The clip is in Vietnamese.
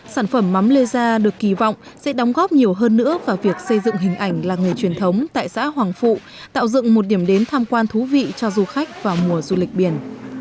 sản phẩm mắm lê gia được kỳ vọng sẽ đóng góp nhiều hơn nữa vào việc xây dựng hình ảnh làng nghề truyền thống tại xã hoàng phụ tạo dựng một điểm đến tham quan thú vị cho du khách vào mùa du lịch biển